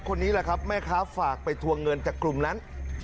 คนนี้แหละครับแม่ค้าฝากไปทวงเงินจากกลุ่มนั้น